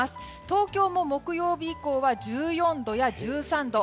東京も木曜日以降は１４度や１３度。